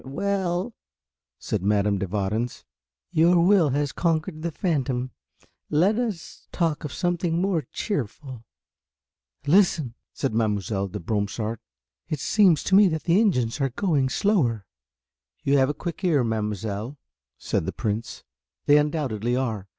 "Well," said Madame de Warens, "your will has conquered the Phantom. Let us talk of something more cheerful." "Listen!" said Mademoiselle de Bromsart. "It seems to me that the engines are going slower." "You have a quick ear, mademoiselle," said the Prince, "they undoubtedly are.